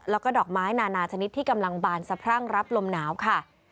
แล้วก็ดอกไม้นานาชนิดที่กำลังบานสะพรั่งรับลมหนาวค่ะ